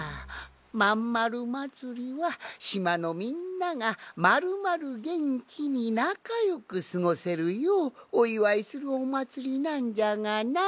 「まんまるまつり」はしまのみんながまるまるげんきになかよくすごせるようおいわいするおまつりなんじゃがなあ。